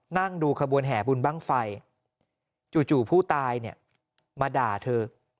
นั่งดูขบวนแห่บุญบ้างไฟจู่ผู้ตายเนี่ยมาด่าเธอ